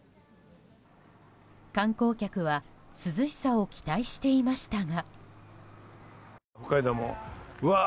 観光客は涼しさを期待していましたが。